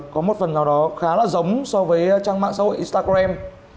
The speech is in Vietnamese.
có một phần nào đó khá là giống so với trang mạng xã hội instagram